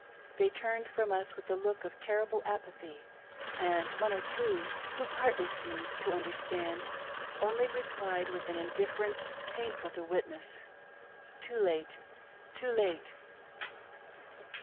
They turned from us with a look of terrible apathy ; and one or two, who partly seemed to understand, only replied with an indifference pain ful to witness —" too late, too late